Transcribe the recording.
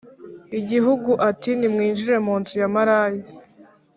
igihugu ati Nimwinjire mu nzu ya maraya